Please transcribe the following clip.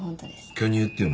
巨乳っていうのは？